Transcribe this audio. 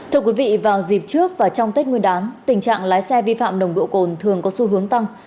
thưa quý vị vào dịp trước và trong tết nguyên đán tình trạng lái xe vi phạm nồng độ cồn thường có xu hướng tăng